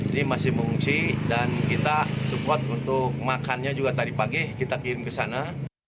ini masih mengungsi dan kita support untuk makannya juga tadi pagi kita kirim ke sana